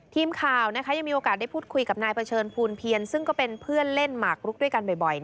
ทีมข่าวยังมีโอกาสได้พูดคุยกับนายเผชิญภูนเพียรซึ่งก็เป็นเพื่อนเล่นหมากรุกด้วยกันบ่อย